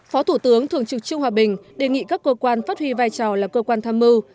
phó thủ tướng thường trực trương hòa bình đề nghị các cơ quan phát huy vai trò là cơ quan tham mưu